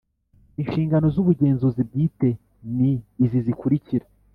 Inshingano z ubugenzuzi bwite ni izi zikurikira